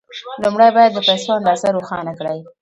لومړی باید د پيسو اندازه روښانه کړئ.